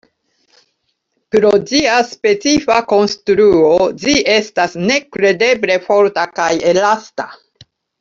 Pro ĝia specifa konstruo, ĝi estas nekredeble forta kaj elasta.